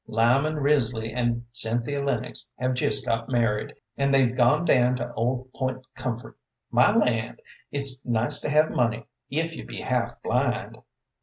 Lyman Risley and Cynthia Lennox have just got married, and they've gone down to Old Point Comfort. My land, it's nice to have money, if you be half blind!"